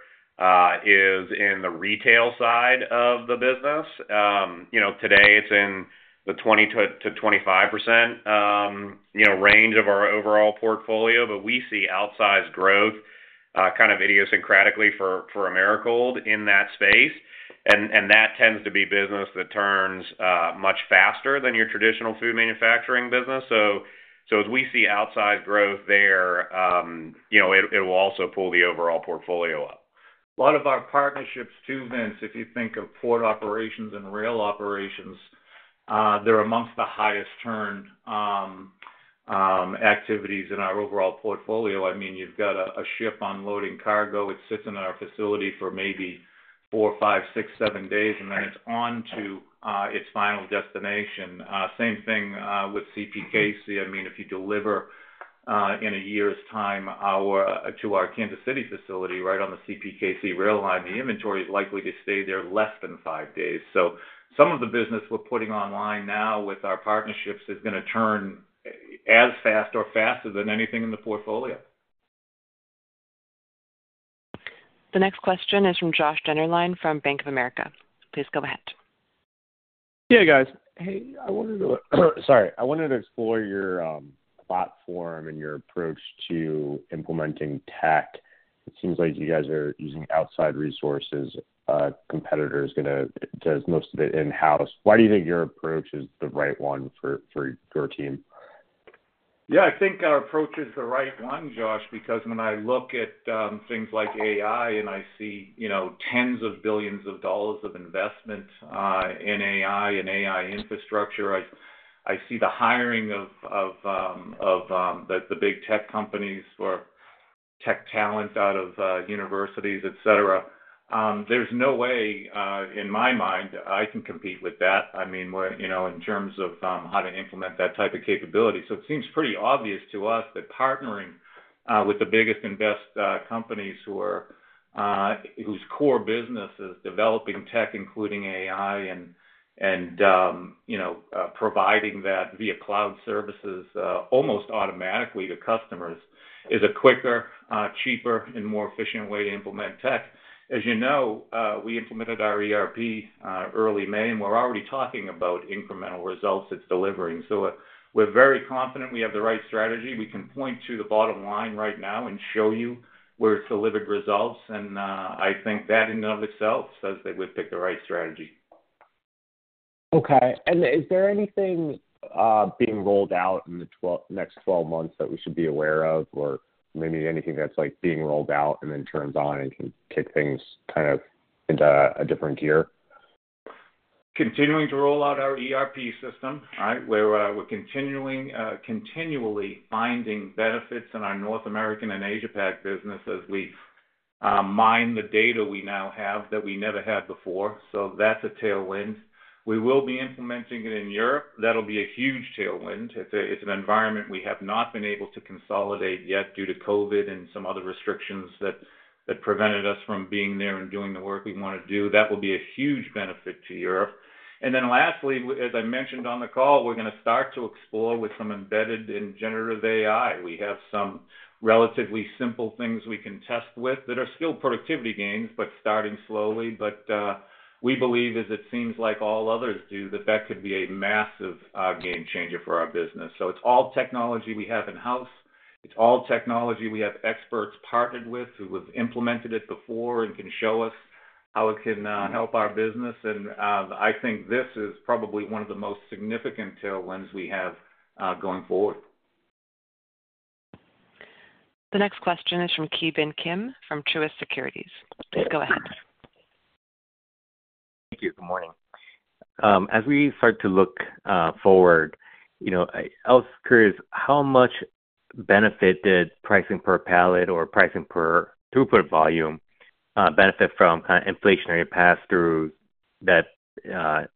S4: is in the retail side of the business. Today, it's in the 20%-25% range of our overall portfolio, but we see outsized growth kind of idiosyncratically for Americold in that space. And that tends to be business that turns much faster than your traditional food manufacturing business. So as we see outsized growth there, it will also pull the overall portfolio up.
S3: A lot of our partnerships too, Vince, if you think of port operations and rail operations, they're among the highest-turn activities in our overall portfolio. I mean, you've got a ship unloading cargo. It sits in our facility for maybe four, five, six, seven days, and then it's on to its final destination. Same thing with CPKC. I mean, if you deliver in a year's time to our Kansas City facility right on the CPKC rail line, the inventory is likely to stay there less than five days. So some of the business we're putting online now with our partnerships is going to turn as fast or faster than anything in the portfolio.
S1: The next question is from Joshua Dennerlein from Bank of America. Please go ahead.
S10: Hey, guys. Hey. Sorry. I wanted to explore your platform and your approach to implementing tech. It seems like you guys are using outside resources. A competitor is going to do most of it in-house. Why do you think your approach is the right one for your team?
S3: Yeah, I think our approach is the right one, Josh, because when I look at things like AI and I see tens of billions of dollars of investment in AI and AI infrastructure, I see the hiring of the big tech companies for tech talent out of universities, etc. There's no way, in my mind, I can compete with that, I mean, in terms of how to implement that type of capability. So it seems pretty obvious to us that partnering with the biggest and best companies whose core business is developing tech, including AI, and providing that via cloud services almost automatically to customers is a quicker, cheaper, and more efficient way to implement tech. As you know, we implemented our ERP early May, and we're already talking about incremental results it's delivering. So we're very confident we have the right strategy. We can point to the bottom line right now and show you where it's delivered results, and I think that in and of itself says that we've picked the right strategy.
S10: Okay. And is there anything being rolled out in the next 12 months that we should be aware of, or maybe anything that's being rolled out and then turns on and can kick things kind of into a different gear?
S3: Continuing to roll out our ERP system, right? We're continually finding benefits in our North American and Asia-Pac business as we mine the data we now have that we never had before. So that's a tailwind. We will be implementing it in Europe. That'll be a huge tailwind. It's an environment we have not been able to consolidate yet due to COVID and some other restrictions that prevented us from being there and doing the work we want to do. That will be a huge benefit to Europe. And then lastly, as I mentioned on the call, we're going to start to explore with some embedded and generative AI. We have some relatively simple things we can test with that are still productivity gains, but starting slowly. But we believe, as it seems like all others do, that that could be a massive game changer for our business. So it's all technology we have in-house. It's all technology we have experts partnered with who have implemented it before and can show us how it can help our business. And I think this is probably one of the most significant tailwinds we have going forward.
S1: The next question is from Ki Bin Kim from Truist Securities. Please go ahead.
S11: Thank you. Good morning. As we start to look forward, I was curious how much benefit did pricing per pallet or pricing per throughput volume benefit from kind of inflationary pass-throughs that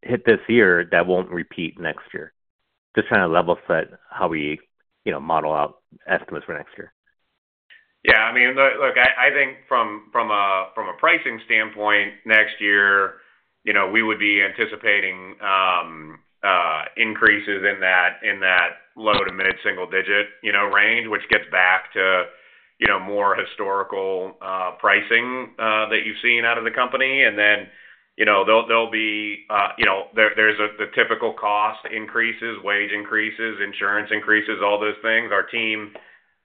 S11: hit this year that won't repeat next year? Just trying to level set how we model out estimates for next year.
S4: Yeah. I mean, look, I think from a pricing standpoint, next year, we would be anticipating increases in that low to mid-single-digit range, which gets back to more historical pricing that you've seen out of the company. And then there will be the typical cost increases, wage increases, insurance increases, all those things. Our team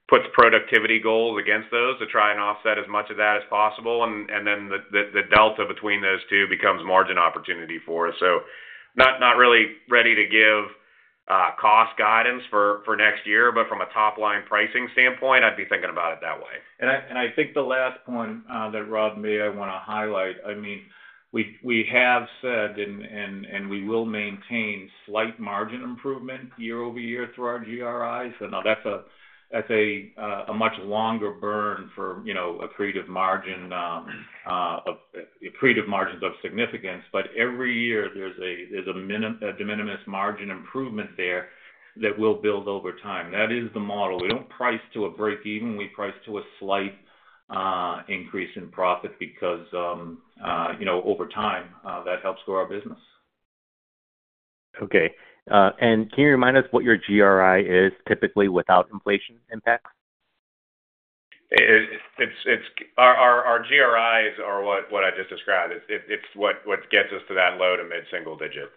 S4: puts productivity goals against those to try and offset as much of that as possible. And then the delta between those two becomes margin opportunity for us. So not really ready to give cost guidance for next year, but from a top-line pricing standpoint, I'd be thinking about it that way.
S3: And I think the last point that Rob may want to highlight. I mean, we have said and we will maintain slight margin improvement year-over-year through our GRIs. And now that's a much longer burn for accretive margins of significance. But every year, there's a de minimis margin improvement there that will build over time. That is the model. We don't price to a break-even. We price to a slight increase in profit because over time, that helps grow our business.
S11: Okay. And can you remind us what your GRI is typically without inflation impacts?
S4: Our GRIs are what I just described. It's what gets us to that low to mid-single-digit.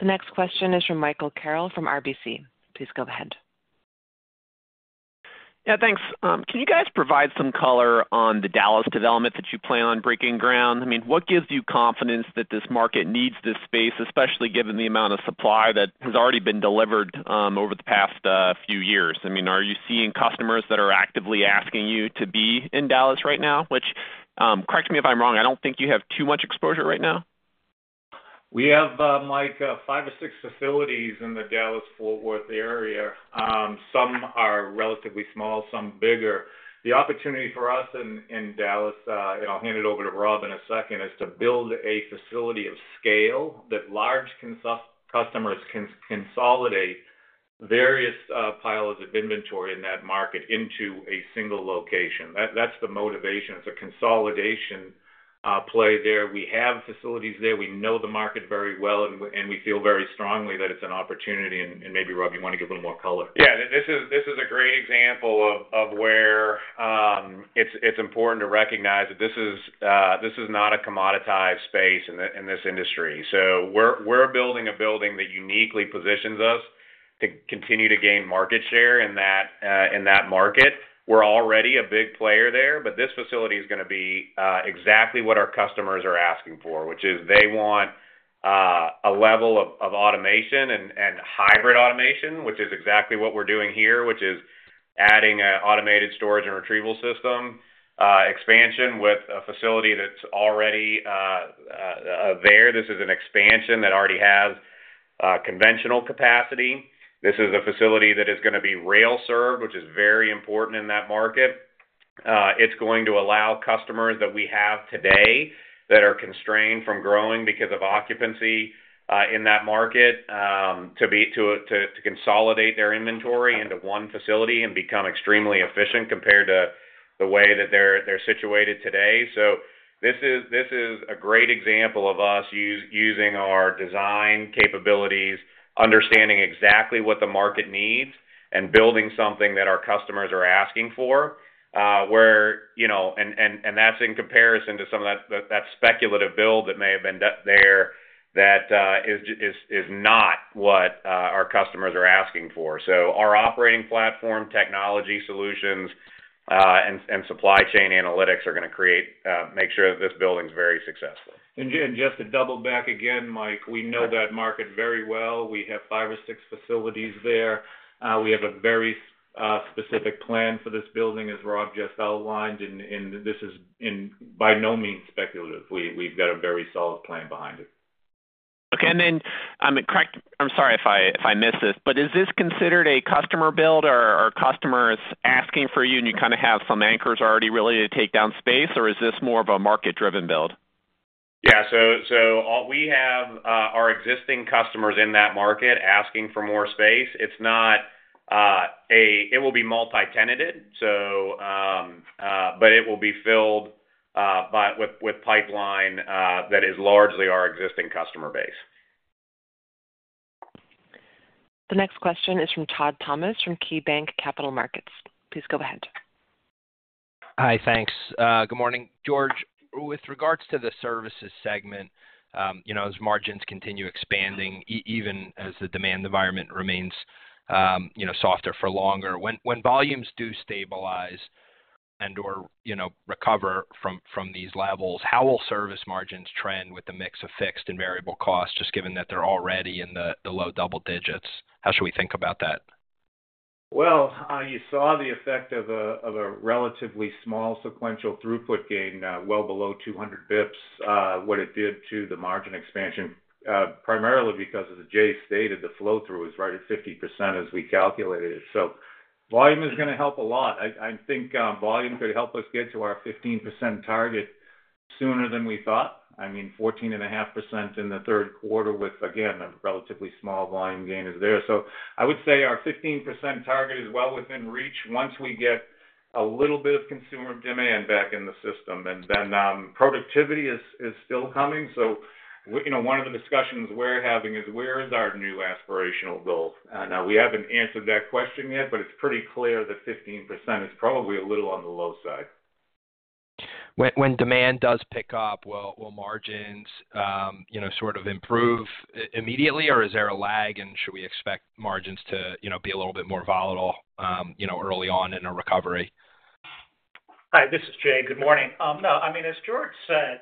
S1: The next question is from Michael Carroll from RBC. Please go ahead.
S12: Yeah, thanks. Can you guys provide some color on the Dallas development that you plan on breaking ground? I mean, what gives you confidence that this market needs this space, especially given the amount of supply that has already been delivered over the past few years? I mean, are you seeing customers that are actively asking you to be in Dallas right now? Which, correct me if I'm wrong, I don't think you have too much exposure right now.
S3: We have like five or six facilities in the Dallas-Fort Worth area. Some are relatively small, some bigger. The opportunity for us in Dallas, and I'll hand it over to Rob in a second, is to build a facility of scale that large customers can consolidate various piles of inventory in that market into a single location. That's the motivation. It's a consolidation play there. We have facilities there. We know the market very well, and we feel very strongly that it's an opportunity, and maybe, Rob, you want to give a little more color?
S4: Yeah. This is a great example of where it's important to recognize that this is not a commoditized space in this industry. So we're building a building that uniquely positions us to continue to gain market share in that market. We're already a big player there, but this facility is going to be exactly what our customers are asking for, which is they want a level of automation and hybrid automation, which is exactly what we're doing here, which is adding an automated storage and retrieval system expansion with a facility that's already there. This is an expansion that already has conventional capacity. This is a facility that is going to be rail-served, which is very important in that market. It's going to allow customers that we have today that are constrained from growing because of occupancy in that market to consolidate their inventory into one facility and become extremely efficient compared to the way that they're situated today. So this is a great example of us using our design capabilities, understanding exactly what the market needs, and building something that our customers are asking for. And that's in comparison to some of that speculative build that may have been there that is not what our customers are asking for. So our operating platform, technology solutions, and supply chain analytics are going to make sure that this building is very successful.
S3: Just to double back again, Mike, we know that market very well. We have five or six facilities there. We have a very specific plan for this building, as Rob just outlined. This is by no means speculative. We've got a very solid plan behind it.
S12: Okay. And then, correct, I'm sorry if I missed this, but is this considered a customer build, or are customers asking for you, and you kind of have some anchors already ready to take down space, or is this more of a market-driven build?
S4: Yeah. So we have our existing customers in that market asking for more space. It will be multi-tenanted, but it will be filled with pipeline that is largely our existing customer base.
S1: The next question is from Todd Thomas from KeyBanc Capital Markets. Please go ahead.
S13: Hi, thanks. Good morning. George, with regards to the services segment, as margins continue expanding, even as the demand environment remains softer for longer, when volumes do stabilize and/or recover from these levels, how will service margins trend with a mix of fixed and variable costs, just given that they're already in the low double digits? How should we think about that?
S3: You saw the effect of a relatively small sequential throughput gain well below 200 basis points, what it did to the margin expansion, primarily because as Jay stated, the flow-through is right at 50% as we calculated it. So volume is going to help a lot. I think volume could help us get to our 15% target sooner than we thought. I mean, 14.5% in the third quarter with, again, a relatively small volume gain, is there. So I would say our 15% target is well within reach once we get a little bit of consumer demand back in the system. And then productivity is still coming. So one of the discussions we're having is, where is our new aspirational goal? Now, we haven't answered that question yet, but it's pretty clear that 15% is probably a little on the low side.
S13: When demand does pick up, will margins sort of improve immediately, or is there a lag, and should we expect margins to be a little bit more volatile early on in a recovery?
S5: Hi, this is Jay. Good morning. No, I mean, as George said,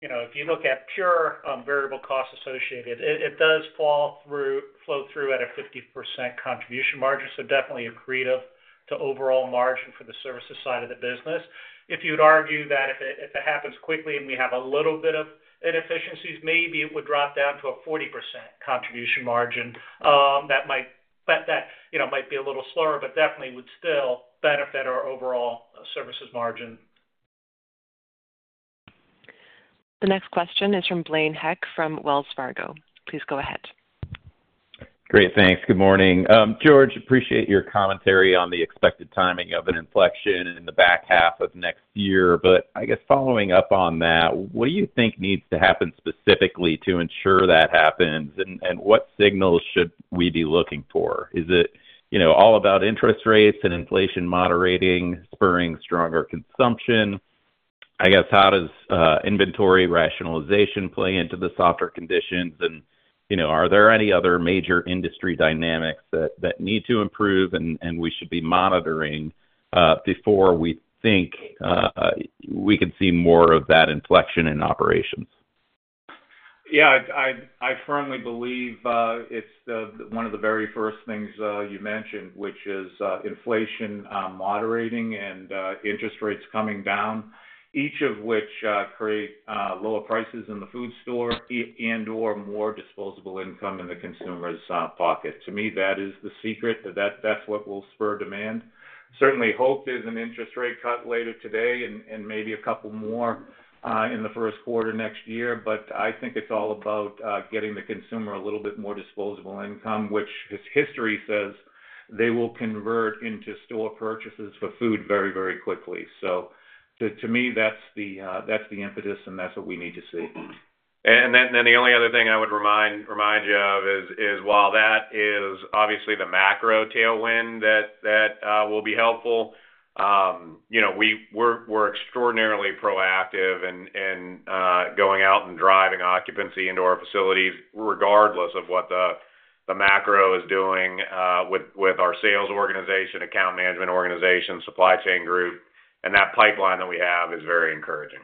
S5: if you look at pure variable cost associated, it does flow through at a 50% contribution margin, so definitely accretive to overall margin for the services side of the business. If you'd argue that if it happens quickly and we have a little bit of inefficiencies, maybe it would drop down to a 40% contribution margin. That might be a little slower, but definitely would still benefit our overall services margin.
S1: The next question is from Blaine Heck from Wells Fargo. Please go ahead.
S14: Great. Thanks. Good morning. George, appreciate your commentary on the expected timing of an inflection in the back half of next year. But I guess following up on that, what do you think needs to happen specifically to ensure that happens, and what signals should we be looking for? Is it all about interest rates and inflation moderating, spurring stronger consumption? I guess, how does inventory rationalization play into the softer conditions? And are there any other major industry dynamics that need to improve, and we should be monitoring before we think we can see more of that inflection in operations?
S3: Yeah. I firmly believe it's one of the very first things you mentioned, which is inflation moderating and interest rates coming down, each of which create lower prices in the food store and/or more disposable income in the consumer's pocket. To me, that is the secret. That's what will spur demand. Certainly hope there's an interest rate cut later today and maybe a couple more in the first quarter next year. But I think it's all about getting the consumer a little bit more disposable income, which history says they will convert into store purchases for food very, very quickly. So to me, that's the impetus, and that's what we need to see.
S4: The only other thing I would remind you of is, while that is obviously the macro tailwind that will be helpful, we're extraordinarily proactive in going out and driving occupancy into our facilities, regardless of what the macro is doing with our sales organization, account management organization, supply chain group. That pipeline that we have is very encouraging.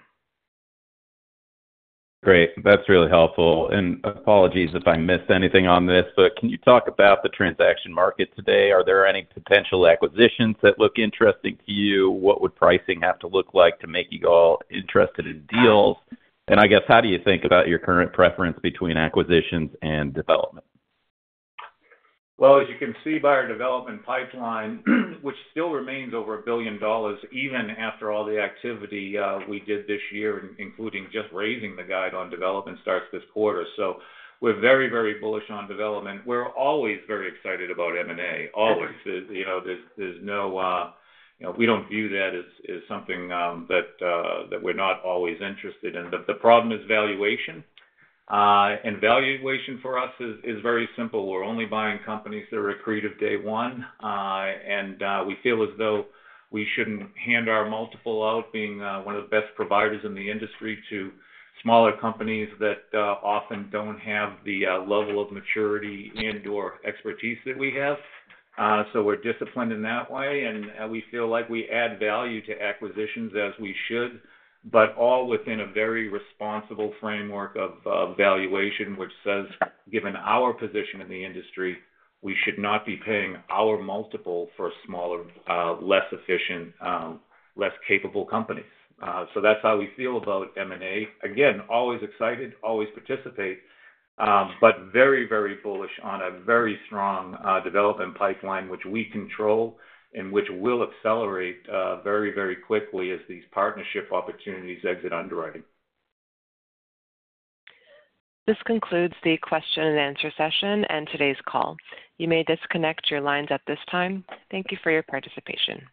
S14: Great. That's really helpful. And apologies if I missed anything on this, but can you talk about the transaction market today? Are there any potential acquisitions that look interesting to you? What would pricing have to look like to make you all interested in deals? And I guess, how do you think about your current preference between acquisitions and development?
S3: As you can see by our development pipeline, which still remains over $1 billion even after all the activity we did this year, including just raising the guide on development starts this quarter. We're very, very bullish on development. We're always very excited about M&A. Always. There's no—we don't view that as something that we're not always interested in. The problem is valuation. Valuation for us is very simple. We're only buying companies that are accretive day one. We feel as though we shouldn't hand our multiple out, being one of the best providers in the industry, to smaller companies that often don't have the level of maturity and/or expertise that we have. We're disciplined in that way. And we feel like we add value to acquisitions as we should, but all within a very responsible framework of valuation, which says, given our position in the industry, we should not be paying our multiple for smaller, less efficient, less capable companies. So that's how we feel about M&A. Again, always excited, always participate, but very, very bullish on a very strong development pipeline, which we control and which will accelerate very, very quickly as these partnership opportunities exit underwriting.
S1: This concludes the question and answer session and today's call. You may disconnect your lines at this time. Thank you for your participation.